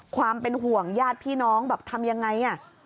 ความเป็นห่วงญาติพี่น้องแบบทำยังไง